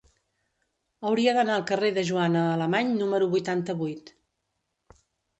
Hauria d'anar al carrer de Joana Alemany número vuitanta-vuit.